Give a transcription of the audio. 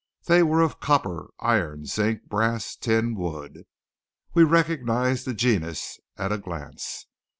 They were of copper, iron, zinc, brass, tin, wood. We recognized the genus at a glance.